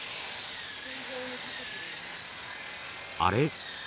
あれ？